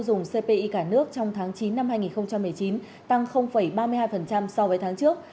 dùng cpi cả nước trong tháng chín năm hai nghìn một mươi chín tăng ba mươi hai so với tháng trước